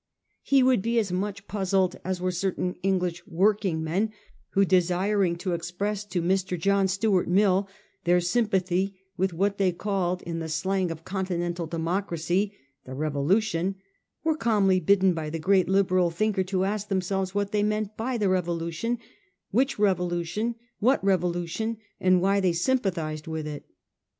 He would be as much puzzled as were certain English working men, who desiring to express to Mr. John Stuart Mill their sympathy with what they called in the slang of con tin ental democracy 'the Revolution,' were calmly bidden by the great Liberal thinker to ask themselves what they meant by ' the Revolution,' which revolu tion, what revolution, and why they sympathised with it.